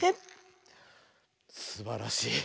すばらしい。